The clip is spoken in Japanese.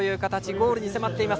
ゴールに迫っています。